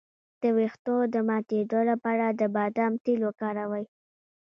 د ویښتو د ماتیدو لپاره د بادام تېل وکاروئ